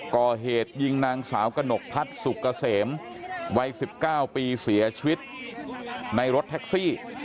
ก่อเหตุยิงนางสาวกระหนกพัฒน์สุกเกษมวัย๑๙ปีเสียชีวิตในรถแท็กซี่